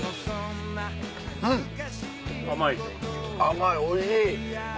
甘いおいしい。